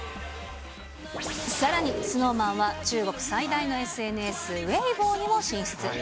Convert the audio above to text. さらにＳｎｏｗＭａｎは中国最大のＳＮＳ、ウェイボーにも進出。